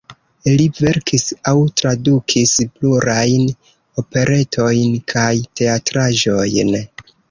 Li verkis aŭ tradukis plurajn operetojn kaj teatraĵojn.